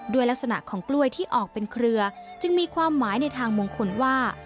ด้วยลักษณะของกล้วยที่ออกเป็นเครือจึงมีความหมายในทางมงคลว่า